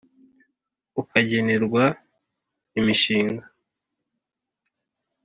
Ukagenerwa imishinga